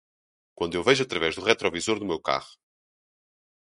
Quando eu vejo através do retrovisor do meu carro.